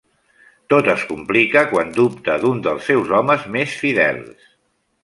Tot es complica quan dubte d'un dels seus homes més fidels.